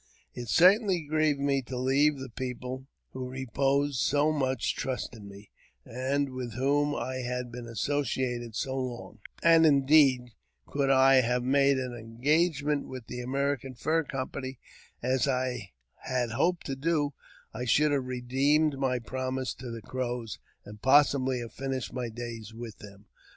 It certainly grieved me to leave a people who reposed so much trust in me, and with whom I had been associated so long ; and, indeed, could I have made an engagement with the American Fur Company, as I had hoped to do, I should have redeemed my promise to the Crows, and possibly have finished my days with them.